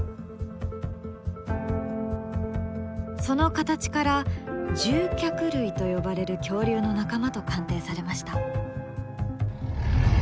その形から獣脚類と呼ばれる恐竜の仲間と鑑定されました。